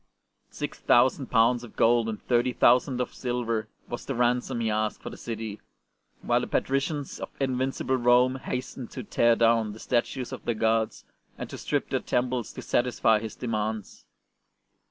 Six thousand pounds of gold and thirty thousand of silver was the ransom he asked for the city, while the patricians of invincible Rome hastened to tear down the statues of their gods, and to strip their temples to satisfy his demands.